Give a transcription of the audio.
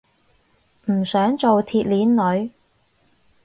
唔想做鐵鏈女